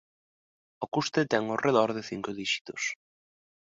O custe ten ao redor de cinco díxitos.